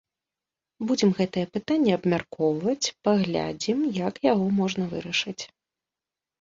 Будзем гэтае пытанне абмяркоўваць, паглядзім, як яго можна вырашыць.